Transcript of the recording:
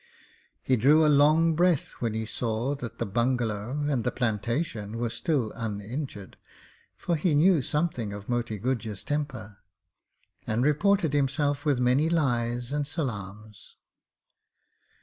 He drew a long breath when he saw that the bungalow and the plantation were still uninjured; for he knew something of Moti Guj's temper; and reported himself with many lies and salaams.